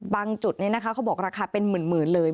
จุดนี้นะคะเขาบอกราคาเป็นหมื่นเลย